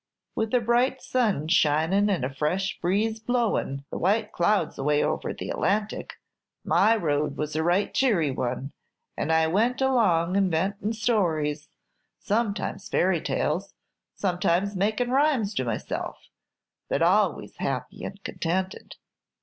With a bright sun shinin' and a fine fresh breeze blowin' the white clouds away over the Atlantic, my road was a right cheery one, and I went along inventin' stories, sometimes fairy tales, sometimes makin' rhymes to myself, but always happy and contented.